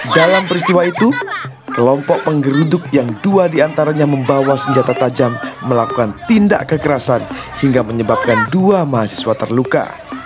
dalam peristiwa itu kelompok penggeruduk yang dua diantaranya membawa senjata tajam melakukan tindak kekerasan hingga menyebabkan dua mahasiswa terluka